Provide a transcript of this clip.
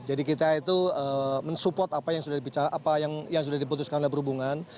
jadi kita itu mensupport apa yang sudah diputuskan oleh perhubungan